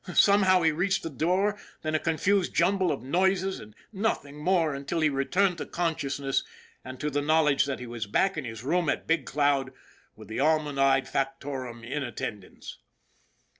Somehow he reached the door, then a confused jumble of noises and nothing more until he returned to consciousness, and to the knowl edge that he was back in his room at Big Cloud with the almond eyed factotum in attendance.